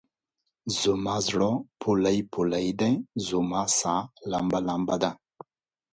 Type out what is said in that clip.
زما زړه پولۍ پولی دی، زما سا لمبه لمبه ده